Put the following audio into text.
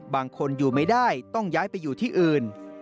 บางคนอยู่ไม่ได้ต้องย้ายไปอยู่ที่อื่น